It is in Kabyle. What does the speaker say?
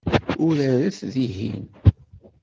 Uraret dihin.